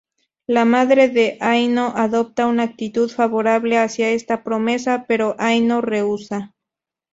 La madre de Aino adopta una actitud favorable hacia esta promesa, pero Aino rehúsa.